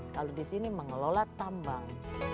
kalau di sini mengelola tambang